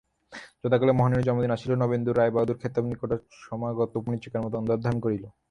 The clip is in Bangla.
যথাকালে মহারানীর জন্মদিন আসিল, নবেন্দুর রায়বাহাদুর খেতাব নিকটসমাগত মরীচিকার মতো অন্তর্ধান করিল।